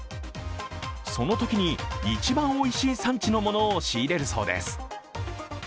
そのときに一番おいしい産地のものを仕入れるそうです。